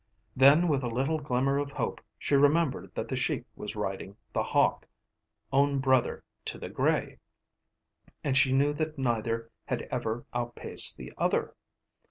Then with a little glimmer of hope she remembered that the Sheik was riding The Hawk, own brother to the grey, and she knew that neither had ever outpaced the other.